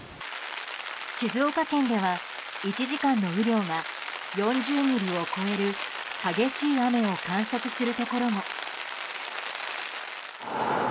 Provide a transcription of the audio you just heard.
静岡県では１時間の雨量が４０ミリを超える激しい雨を観測するところも。